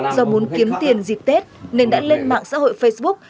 do muốn kiếm tiền dịp tết nên đã lên mạng xã hội facebook